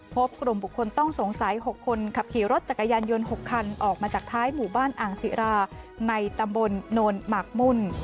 พบกลุ่มบุคคลต้องสงสัย๖คนขับขี่รถจักรยานยนต์๖คันออกมาจากท้ายหมู่บ้านอ่างศิราในตำบลโนนหมากมุ่น